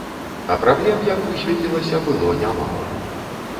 А праблем, як высветлілася, было нямала.